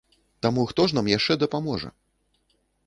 Таму хто ж нам яшчэ дапаможа?